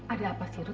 ada apa sih rod